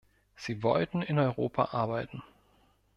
Sie wollten in Europa arbeiten.